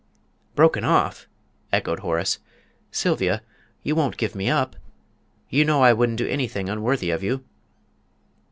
"Broken off!" echoed Horace. "Sylvia, you won't give me up! You know I wouldn't do anything unworthy of you!"